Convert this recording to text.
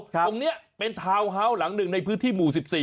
ตรงนี้เป็นทาวน์ฮาวส์หลังหนึ่งในพื้นที่หมู่๑๔